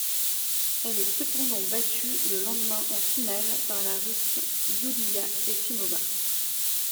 Elle est cependant battue le lendemain en finale par la Russe Yuliya Efimova.